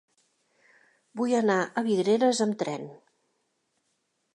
Vull anar a Vidreres amb tren.